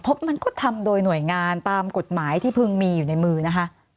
เพราะมันก็ทำโดยหน่วยงานตามกฎหมายที่พึงมีอยู่ในมือนะคะ